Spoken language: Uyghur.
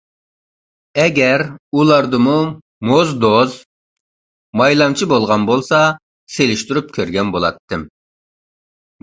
ئەگەر ئۇلاردىمۇ موزدۇز، مايلامچى بولغان بولسا سېلىشتۇرۇپ كۆرگەن بولاتتىم.